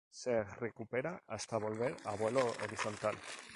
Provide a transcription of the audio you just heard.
Se recupera hasta volver a vuelo horizontal.